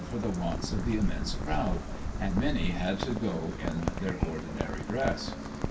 103 for th^ wants of the immense crowd, and many had to go in their ordinary dress.